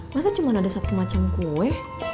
masa cuma ada satu macam kue